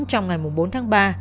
trong ngày bốn tháng ba